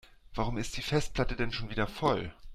Warum ist die Festplatte denn schon wieder voll?